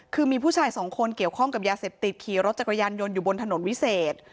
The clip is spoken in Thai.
คือมีผู้ชายสองคนเกี่ยวข้องกับยาเสพติดขี่รถจักรยานยนต์อยู่บนถนนวิเศษ